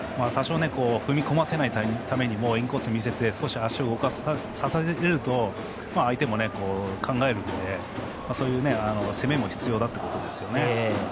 踏み込ませないためにインコースに差して足を動かせると相手も考えるんでそういう攻めも必要だということですよね。